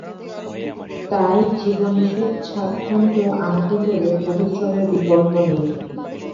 তাই জীবনে সুখ-সাচ্ছন্দ আনতে হলে পরিশ্রমের বিকল্প নেই।